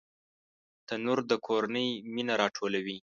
تنور د کورنۍ مینه راټولوي